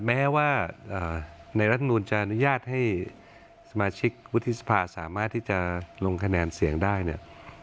แม้ว่าในรัฐมนูลจะอนุญาตให้สมาชิกวุฒิสภาสามารถที่จะลงคะแนนเสียงได้เนี่ย